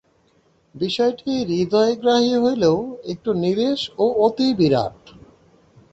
বিষয়টি হৃদয়গ্রাহী হইলেও একটু নীরস ও অতি বিরাট।